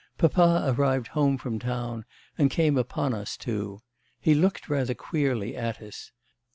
Papa arrived home from town and came upon us two. He looked rather queerly at us.